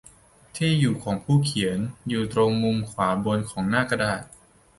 ที่อยู่ของผู้เขียน อยู่ตรงมุมบนขวาของหน้ากระดาษ